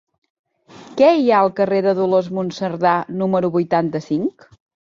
Què hi ha al carrer de Dolors Monserdà número vuitanta-cinc?